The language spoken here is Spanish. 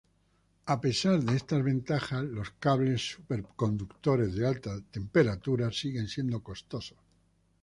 A pesar de estas ventajas, los cables superconductores de alta temperatura siguen siendo costosos.